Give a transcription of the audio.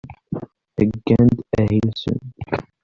Heyyan-d ahil-nsen.